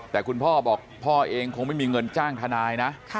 แต่คุณพ่อบอกพ่อเองคงไม่มีเงินจ้างทนายนะ